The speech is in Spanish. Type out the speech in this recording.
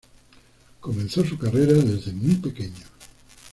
Comenzó su carrera desde muy pequeño.